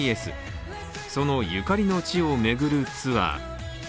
そのゆかりの地を巡るツアー。